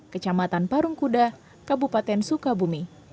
kecamatan parungkuda kabupaten sukabumi